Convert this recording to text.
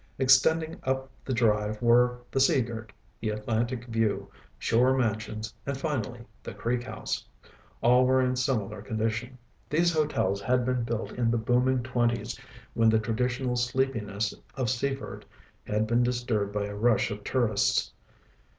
Extending up the drive were the Sea Girt, the Atlantic View, Shore Mansions, and finally, the Creek House. All were in similar condition. These hotels had been built in the booming twenties when the traditional sleepiness of Seaford had been disturbed by a rush of tourists.